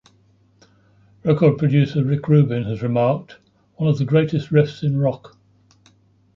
Record producer Rick Rubin has remarked, One of the greatest riffs in rock.